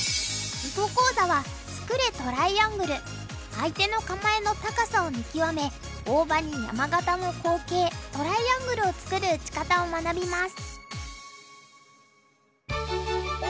相手の構えの高さを見極め大場に山型の好形トライアングルを作る打ち方を学びます。